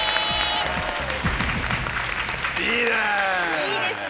いいね！